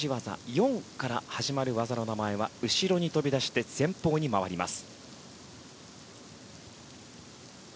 ４から始まる技の名前は後ろにせり出して前方に回ります。